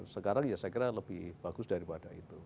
sekarang ya saya kira lebih bagus daripada itu